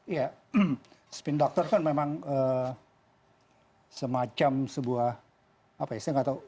ya spin doctor kan memang semacam sebuah apa ya saya nggak tahu